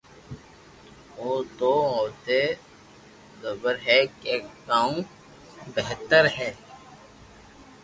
او تو اوني زبر ھي ڪي ڪاوُ بھتر ھي